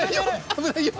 危ないよ！